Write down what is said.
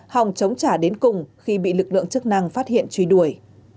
hòng chống trả đến cùng khi bị lực lượng chức năng phát hiện truy đuổi